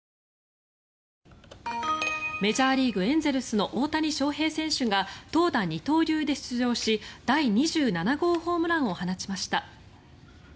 メジャーリーグエンゼルスの大谷翔平選手が投打二刀流で出場し第２７号ホームランを放ちました。